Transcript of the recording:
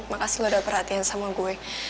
makasih lo udah perhatian sama gue